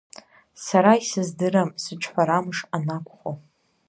Сара исыздырам сыҿҳәарамыш анакәхо.